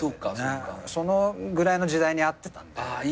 そのぐらいの時代にあってたんで。